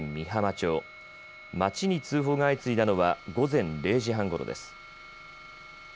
町に通報が相次いだのは午前０時半ごろです。